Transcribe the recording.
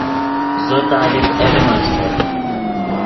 زو طالب علم استت